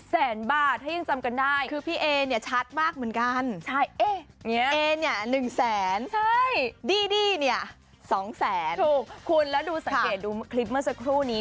แล้วดูสังเกตดูคลิปเมื่อสักครู่นี้